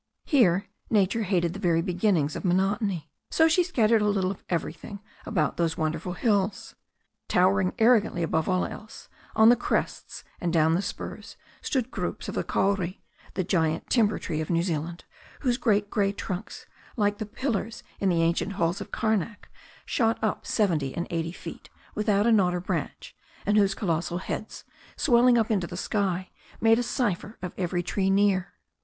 Here nature hated the very beginnings of monotony. So she scattered a little of everything about those wonderful hills. Tower ing arrogantly above all else, on the crests and down the spurs, stood groups of the kauri, the giant timber tree of New Zealand, whose great grey trunks, like the pillars in the ancient halls of Karnak, shot up seventy and eighty feet without a knot or branch, and whose colossal heads, swell ing up into the sky, made a cipher of every tree near.